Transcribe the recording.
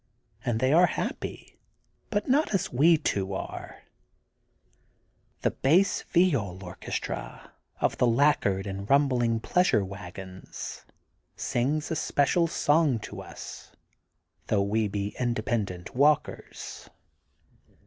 And they are happy, but not as we two are The bass viol orchestra of the lacquered and rumbling pleasure wagons sings a special song to us though we be independent walk ers.